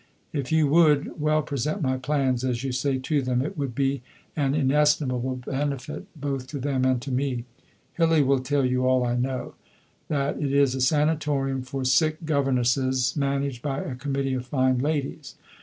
If you would "well present" my plans, as you say, to them, it would be an inestimable benefit both to them and to me.... Hillie will tell you all I know that it is a Sanatorium for sick governesses managed by a Committee of fine ladies.